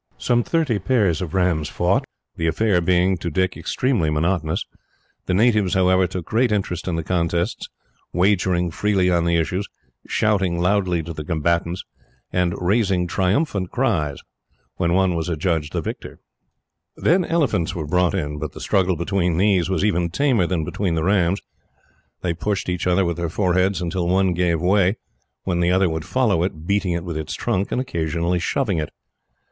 Some thirty pairs of rams fought, the affair being, to Dick, extremely monotonous. The natives, however, took great interest in the contests, wagering freely on the issues, shouting loudly to the combatants, and raising triumphant cries when one was adjudged victor. Then elephants were brought in; but the struggle between these was even tamer than between the rams. They pushed each other with their foreheads until one gave way, when the other would follow it, beating it with its trunk, and occasionally shoving it.